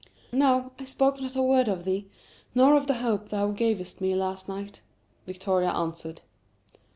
"No, I spoke not a word of thee, nor of the hope thou gavest me last night," Victoria answered.